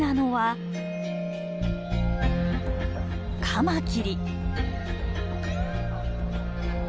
カマキリ。